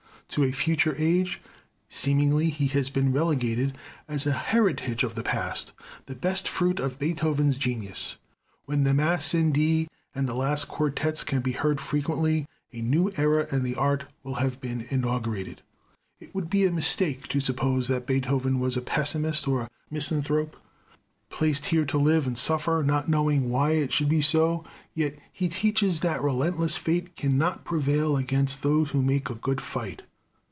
To a future age, seemingly, has been relegated, as an heritage of the past, the best fruit of Beethoven's genius. When the Mass in D and the last Quartets can be heard frequently, a new era in the art will have been inaugurated. It would be a mistake to suppose that Beethoven was a pessimist, or a misanthrope. Placed here to live and suffer, not knowing why it should be so, he yet teaches that relentless fate cannot prevail against those who make a good fight.